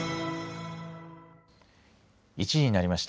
１時になりました。